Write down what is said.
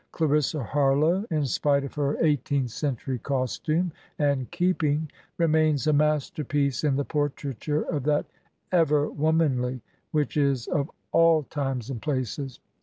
Clarissa Harlowe, in spite of her eighteenth century costume and keeping, remains a masterpiece in the portraiture of that Ever Womanly which is of all times and places.